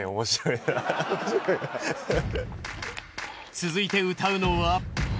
続いて歌うのは。